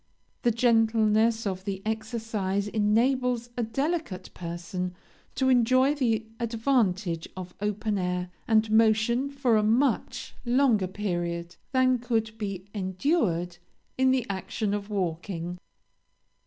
The gentleness of the exercise enables a delicate person to enjoy the advantage of open air and motion for a much longer period than could be endured in the action of walking.